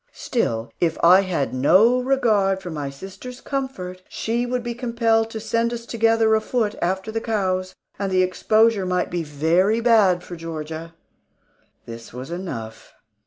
Still, if I had no regard for my sister's comfort, she would be compelled to send us together afoot after the cows, and the exposure might be very bad for Georgia. This was enough.